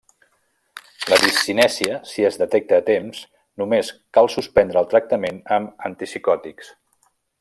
La discinèsia, si es detecta a temps, només cal suspendre el tractament amb antipsicòtics.